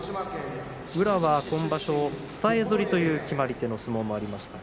宇良は今場所伝え反りという決まり手の相撲もありました。